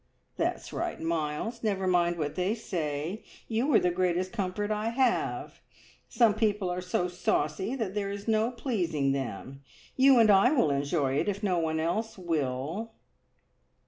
"That's right, Miles; never mind what they say! You are the greatest comfort I have. Some people are so saucy there is no pleasing them. You and I will enjoy it, if no one else will."